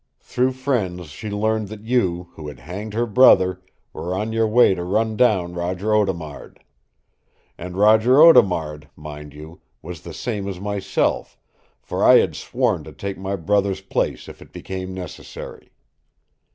Through friends she learned that you, who had hanged her brother, were on your way to run down Roger Audemard. And Roger Audemard, mind you, was the same as myself, for I had sworn to take my brother's place if it became necessary.